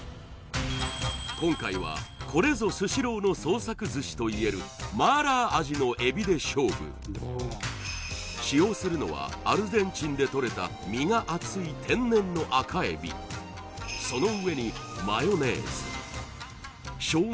今回はこれぞスシローの創作寿司といえるマーラー味のえびで勝負使用するのはアルゼンチンでとれた身が厚い天然の赤えびその上にショウガ